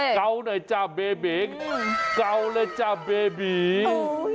เก้าหน่อยจ้าเบบิ้งเก้าหน่อยจ้าเบบิ้ง